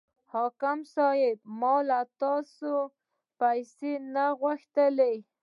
حاکم صاحب ما له تاسې نه پیسې غوښتې.